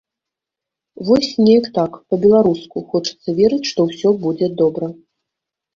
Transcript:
Вось неяк так, па-беларуску, хочацца верыць, што ўсё будзе добра.